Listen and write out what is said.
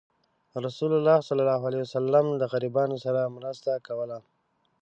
رسول الله صلى الله عليه وسلم د غریبانو سره مرسته کوله.